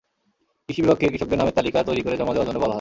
কৃষি বিভাগকে কৃষকদের নামের তালিকা তৈরি করে জমা দেওয়ার জন্য বলা হয়।